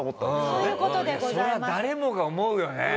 そりゃ誰もが思うよね。